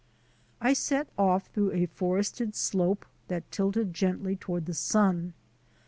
I set off through a forested slope that tilted gently toward the sun.